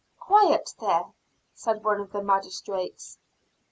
"Quiet there!" said one of the magistrates.